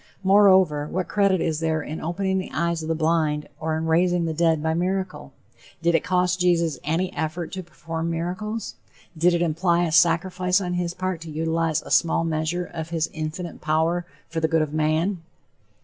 Moreover, what credit is there in opening the eyes of the blind or in raising the dead by miracle? Did it cost Jesus any effort to perform miracles? Did it imply a sacrifice on his part to utilize a small measure of his infinite power for the good of man?